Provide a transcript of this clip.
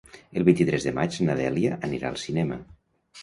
El vint-i-tres de maig na Dèlia anirà al cinema.